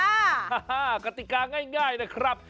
กติกาง่ายนะครับ